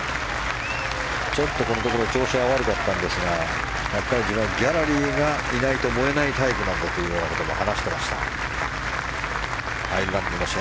このところ調子が悪かったんですがやっぱり自分はギャラリーがいないと燃えないタイプなんだと話していました。